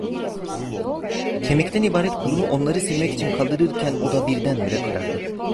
Kemikten ibaret kolunu onları silmek için kaldırırken oda birdenbire karardı.